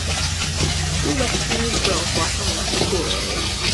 Two wet teenage girls walk around the pool area.